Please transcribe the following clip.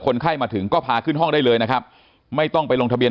ไข้มาถึงก็พาขึ้นห้องได้เลยนะครับไม่ต้องไปลงทะเบีย